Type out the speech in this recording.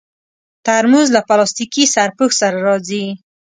ترموز له پلاستيکي سرپوښ سره راځي.